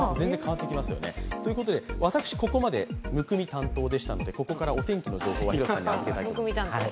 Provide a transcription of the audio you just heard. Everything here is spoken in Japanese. ということで私、ここまでむくみ担当でしたのでここからお天気の情報は広瀬さんに預けたいと思います。